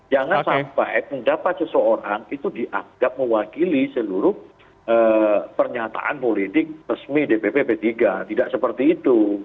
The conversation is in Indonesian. jangan sampai pendapat seseorang itu dianggap mewakili seluruh pernyataan politik resmi dpp p tiga tidak seperti itu